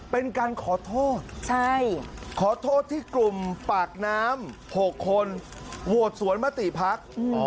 เป็นการขอโทษขอโทษที่กลุ่มปากน้ำ๖คนโหวตสวนมติพัก